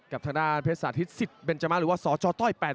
กับทางด้านเพศษาธิศทศิษย์เบนจัมพ์หรือว่าสอจอล์ต้อย๘ริ้วครับ